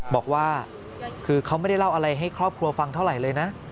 บอกว่าคือเขาไม่ได้เล่าอะไรให้ครอบครัวฟังเท่าไหร่เลยนะ